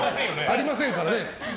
ありませんからね。